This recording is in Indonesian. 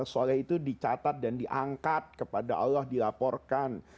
amal sholat itu dicatat dan diangkat kepada allah dilaporkan